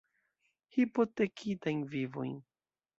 Hipotekitajn vivojn.